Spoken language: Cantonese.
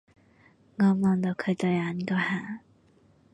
我望到佢對眼嗰下